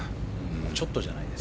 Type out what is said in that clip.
ちょっとじゃないです。